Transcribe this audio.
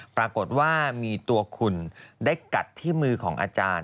ปรากฏว่ามีตัวคุณได้กัดที่มือของอาจารย์